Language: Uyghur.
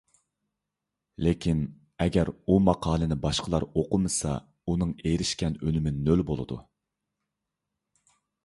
لېكىن، ئەگەر ئۇ ماقالىنى باشقىلار ئوقۇمىسا، ئۇنىڭ ئېرىشكەن ئۈنۈمى نۆل بولىدۇ.